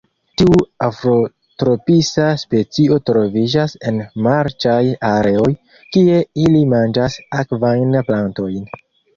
Tiu afrotropisa specio troviĝas en marĉaj areoj kie ili manĝas akvajn plantojn.